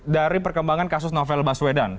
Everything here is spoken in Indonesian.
dari perkembangan kasus novel baswedan